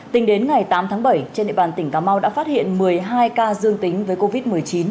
tính đến ngày tám tháng bảy trên địa bàn tỉnh cà mau đã phát hiện một mươi hai ca dương tính với covid một mươi chín